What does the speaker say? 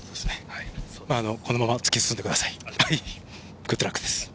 このまま突き進んでください、グッドラック。